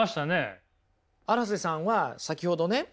荒瀬さんは先ほどね